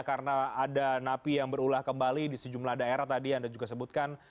karena ada napi yang berulah kembali di sejumlah daerah tadi yang anda juga sebutkan